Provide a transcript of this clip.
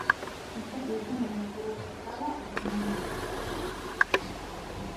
Esta pieza no iba a ser orquestada originalmente.